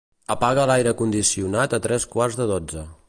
Apaga l'aire condicionat a tres quarts de dotze.